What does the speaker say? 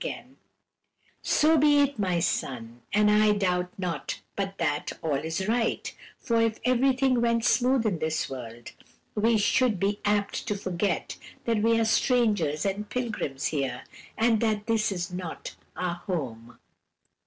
"His mother answered, with her usual quiet cheerfulness: "'So be it, my son, and I doubt not but that all is right, for if everything went smooth in this world we should be apt to forget that we are strangers and pilgrims here, and that this is not our home.'